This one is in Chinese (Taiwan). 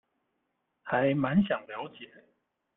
還滿想了解